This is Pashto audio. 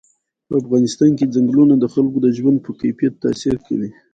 په افغانستان کې ځنګلونه د خلکو د ژوند په کیفیت تاثیر کوي.